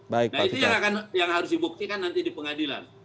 nah itu yang harus dibuktikan nanti di pengadilan